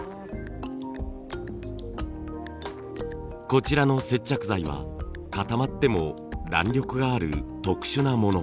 こちらの接着剤は固まっても弾力がある特殊なもの。